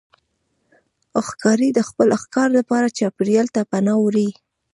ښکاري د خپل ښکار لپاره چاپېریال ته پناه وړي.